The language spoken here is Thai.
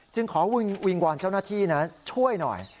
ขอวิงวอนเจ้าหน้าที่นะช่วยหน่อย